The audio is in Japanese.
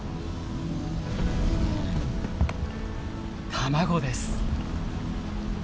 卵です。